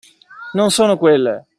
Non sono quelle!